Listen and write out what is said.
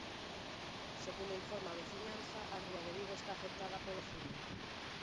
Segundo informa a veciñanza, a ría de Vigo está afectada polo fume.